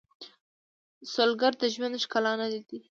سوالګر د ژوند ښکلا نه لیدلې